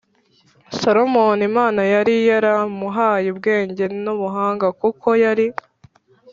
Salomoni Imana yari yaramuhaye ubwenge n ubuhanga kuko yari